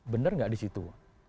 benar nggak di situ